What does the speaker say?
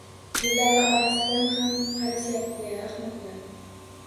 Gullari orasidan ham qarashyapti-ya, ahmoqlar!